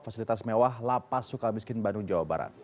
fasilitas mewah lapas suka miskin bandung jawa barat